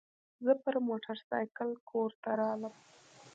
زه پر موترسایکل کور ته رالم.